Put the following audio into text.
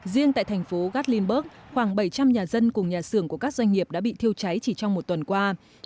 riêng tại thành phố gatlinberg khoảng bảy trăm linh nhà dân cùng nhà xưởng của các doanh nghiệp đã bị thiêu cháy chỉ trong một tuần qua